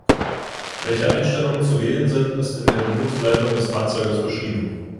Welche Einstellungen zu wählen sind, ist in der Bedienungsanleitung des Fahrzeuges beschrieben.